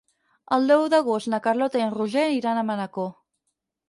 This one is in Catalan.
El deu d'agost na Carlota i en Roger iran a Manacor.